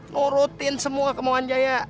ngurutin semua kemauan jaya